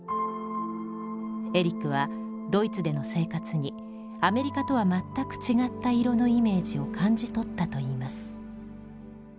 エリックはドイツでの生活にアメリカとは全く違った色のイメージを感じ取ったといいます。